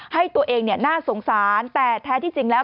ให้ตัวเองน่าสงสารแต่แท้ที่จริงแล้ว